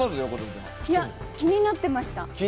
いや、気になってました。